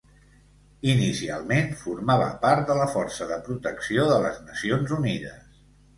Inicialment formava part de la Força de Protecció de les Nacions Unides.